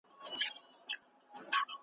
له مبارک سره یوازي مجلسونه ښيي `